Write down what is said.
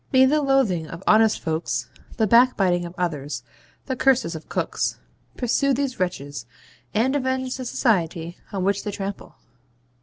May the loathing of honest folks, the backbiting of others, the curses of cooks, pursue these wretches, and avenge the society on which they trample!)